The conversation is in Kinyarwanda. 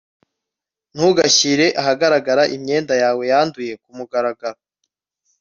ntugashyire ahagaragara imyenda yawe yanduye kumugaragaro